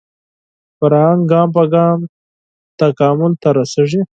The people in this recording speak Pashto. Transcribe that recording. فرهنګ ګام په ګام تکامل ته رسېږي